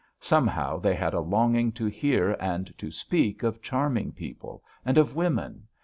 Somehow they had a longing to hear and to speak of charming people, and of women.